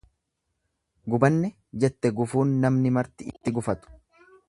Gubanne, jette gufuun namni marti itti gufatu.